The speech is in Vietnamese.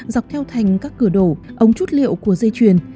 dọc theo thành các cửa đổ ống chút liệu của dây chuyền